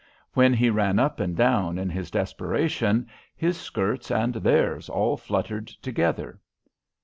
When he ran up and down in his desperation, his skirts and theirs all fluttered together.